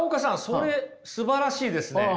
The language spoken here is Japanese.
それすばらしいですね。